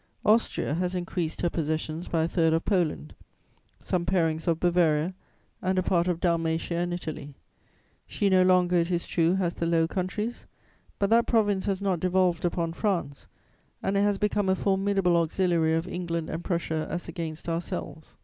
"Austria has increased her possessions by a third of Poland, some parings of Bavaria and a part of Dalmatia and Italy. She no longer, it is true, has the Low Countries; but that province has not devolved upon France, and it has become a formidable auxiliary of England and Prussia as against ourselves.